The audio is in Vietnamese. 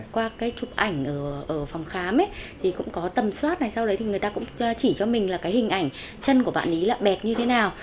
qua cái chụp ảnh ở phòng khám thì cũng có tầm soát này sau đấy thì người ta cũng chỉ cho mình là cái hình ảnh chân của bạn ấy là bẹt như thế nào